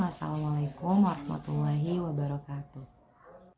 wassalamualaikum warahmatullahi wabarakatuh